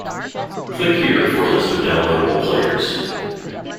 Click here for a list of downloadable players.